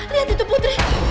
lihat itu putri